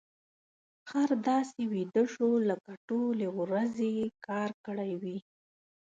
خر داسې ویده شو لکه ټولې ورځې يې کار کړی وي.